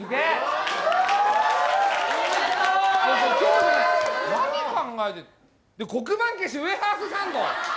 今日じゃない何考えて黒板消しウエハースサンド！